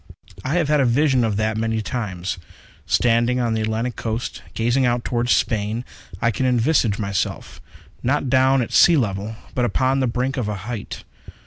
I have had a vision of that many times. Standing on the Atlantic Coast, gazing out toward Spain, I can envisage myself, not down at the sea level, but upon the brink of a height.